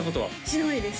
しないです